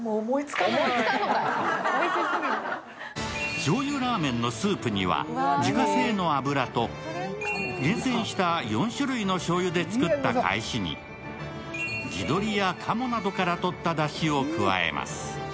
しょうゆラーメンのスープには自家製の油と厳選した４種類のしょうゆで作ったかえしに、地鶏や鴨などからとっただしを加えます。